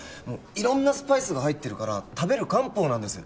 色んなスパイスが入ってるから食べる漢方なんです